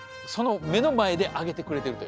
目の前で揚げてくれているという。